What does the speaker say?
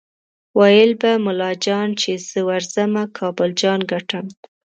ویل به ملا جان چې زه ورځمه کابل جان ګټم